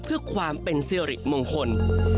เพื่อความเป็นสิริมงคล